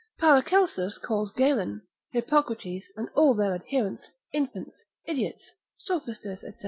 Paracelsus calls Galen, Hippocrates, and all their adherents, infants, idiots, sophisters, &c.